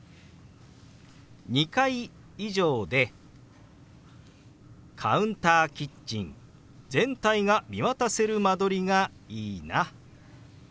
「２階以上でカウンターキッチン全体が見渡せる間取りがいいな」。